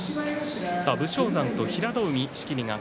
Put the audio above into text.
武将山、平戸海。